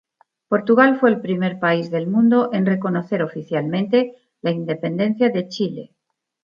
Portugal fue el primer país del mundo en reconocer oficialmente la independencia de Chile.